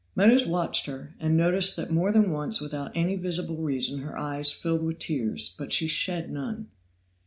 Meadows watched her, and noticed that more than once without any visible reason her eyes filled with tears, but she shed none.